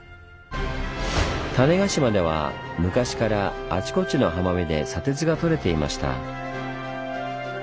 種子島では昔からあちこちの浜辺で砂鉄がとれていました。